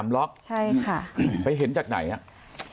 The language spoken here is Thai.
๖๓ล็อคไปเห็นจากไหนนะครับใช่ค่ะ